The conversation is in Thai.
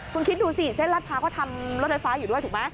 คุณคิดดูสิเส้นรัดพร้าวเขาทำรถไฟฟ้าอยู่ด้วยถูกไหม